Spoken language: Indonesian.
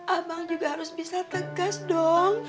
abang juga harus bisa tegas dong